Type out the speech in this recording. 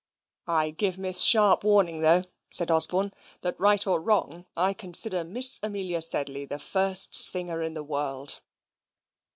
"I give Miss Sharp warning, though," said Osborne, "that, right or wrong, I consider Miss Amelia Sedley the first singer in the world."